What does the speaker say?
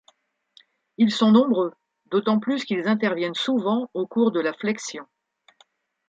Ils sont nombreux, d'autant plus qu'ils interviennent souvent au cours de la flexion.